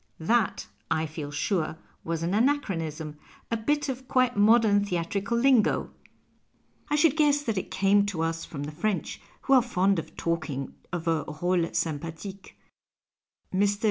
That, I feel sure, was an ana ehronism, a bit of quite modern theatrical lingo. I should guess that it eamc to us from the French, who are fond of talking of a role sympathique. Mr.